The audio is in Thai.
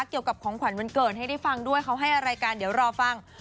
เกี่ยวกับของขวัญวันเกิดให้ได้ฟังด้วยเขาให้อะไรกันเดี๋ยวรอฟัง